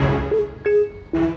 ya pak juna